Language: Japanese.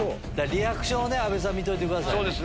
リアクションを阿部さん見といてください。